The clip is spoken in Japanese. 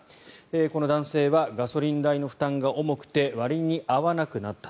この男性はガソリン代の負担が重くて割に合わなくなった。